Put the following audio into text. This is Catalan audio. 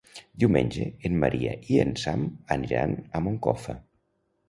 Diumenge en Maria i en Sam aniran a Moncofa.